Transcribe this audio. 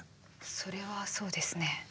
それはそうですね。